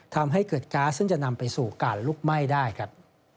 ทำให้เกิดก๊าซซึ่งจะนำไปสู่การลุกไหม้ได้ครับ